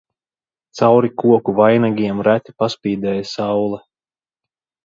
Cauri koku vainagiem reti paspīdēja saule.